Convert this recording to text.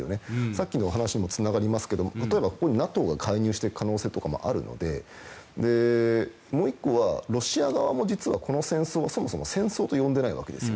さっきの話につながりますが例えば、ここにＮＡＴＯが介入していく可能性があるのでもう１個はロシア側も実はこの戦争をそもそも戦争と呼んでないわけです。